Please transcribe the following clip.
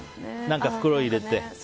袋に入れて。